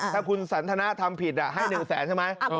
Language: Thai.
ถ้าคุณสันทนาทำผิดให้๑แสนใช่ไหม